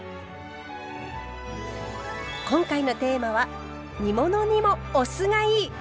今回のテーマは煮物にもお酢がいい！